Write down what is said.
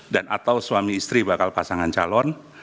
dan atau suami istri bakal pasangan calon